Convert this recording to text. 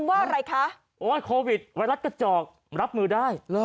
ว่าโควิดมันกระจอกรับมือได้